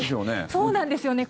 そうなんですよね。